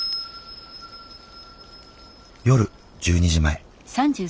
夜１２時前。